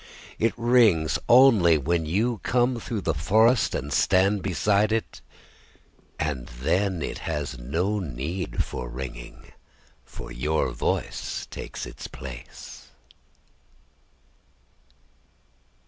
It rings only when you come through the forestAnd stand beside it. And then, it has no need for ringing, For your voice takes its place.